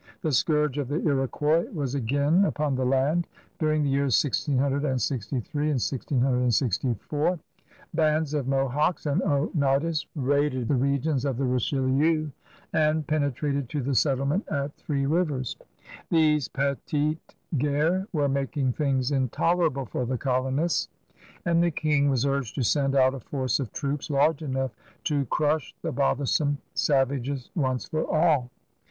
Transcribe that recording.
The scourge of the Iroquois was again upon the land. During the years 1663 and 1664 bands of Mohawks and Oneidas raided the regions of the Richelieu and penetrated to the settlement at Three Rivers, ifi^^ These petUes guerres were making things intoler able for the colonists, and the King was urged to send out a force of troops large enough to crush the bothersome savages once for all.